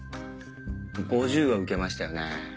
５０は受けましたよね。